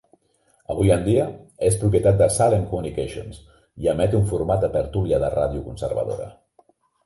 Avui en dia, és propietat de Salem Communications i emet un format de tertúlia de ràdio conservadora.